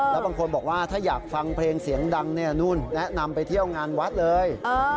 แล้วบางคนบอกว่าถ้าอยากฟังเพลงเสียงดังเนี่ยนู่นแนะนำไปเที่ยวงานวัดเลย